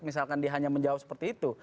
misalkan dia hanya menjawab seperti itu